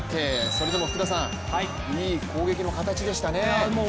それでもいい攻撃の形でしたね。